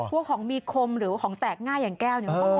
พวกของมีคมหรือของแตกง่ายอย่างแก้วเนี่ย